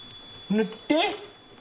塗って。